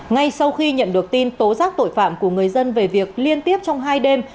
ngay sau khi nhận được tin tố giác tội phạm của người dân về việc liên tiếp trong hai đêm